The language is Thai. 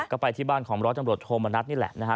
ก็ไปที่บ้านของร้อยตำรวจโทมนัดนี่แหละนะฮะ